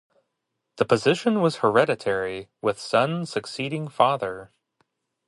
The position was hereditary, with son succeeding father.